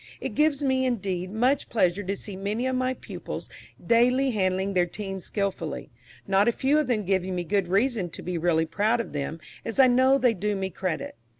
It gives me, indeed, much pleasure to see many of my pupils daily handling their teams skilfully; not a few of them giving me good reason to be really proud of them, as I know they do me credit.